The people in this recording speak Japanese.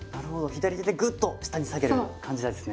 左手でぐっと下に下げる感じなんですね。